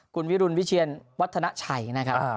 คุณวิรุณวิเชียนวัฒนาชัยนะครับ